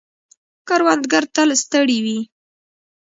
کروندگر تل ستړي وي.